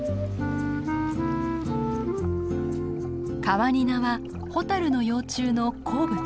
カワニナはホタルの幼虫の好物。